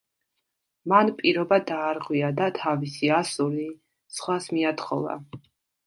მან პირობა დაარღვია და თავისი ასული სხვას მიათხოვა.